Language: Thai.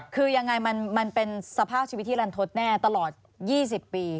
คือยังไงมันเป็นสภาพชีวิตที่รันทศแน่ตลอด๒๐ปี